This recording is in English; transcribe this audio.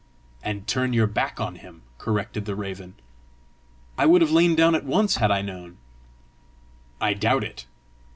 "And turn your back on him!" corrected the raven. "I would have lain down at once had I known!" "I doubt it.